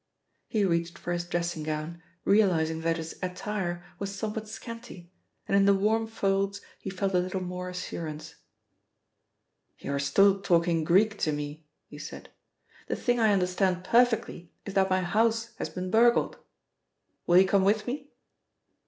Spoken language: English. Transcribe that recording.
He reached for his dressing gown, realising that his attire was somewhat scanty, and in the warm folds he felt a little more assurance. "You are still talking Greek to me," he said. "The thing I understand perfectly is that my house has been burgled. Will you come with me?"